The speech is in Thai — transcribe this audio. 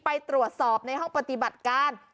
ไปตรวจสอบในห้องปฏิบัติการ